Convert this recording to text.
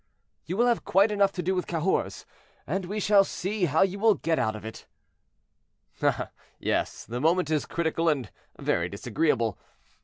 "You will have quite enough to do with Cahors, and we shall see how you will get out of it." "Ah! yes, the moment is critical and very disagreeable.